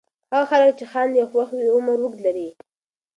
هغه خلک چې خاندي او خوښ وي عمر اوږد لري.